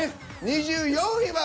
２４位は。